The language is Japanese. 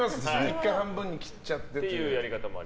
１回半分に切っちゃってという。